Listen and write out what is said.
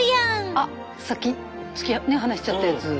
あっさっき離しちゃったやつ。